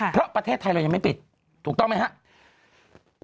เพราะประเทศไทยเรายังไม่ปิดถูกต้องไหมครับ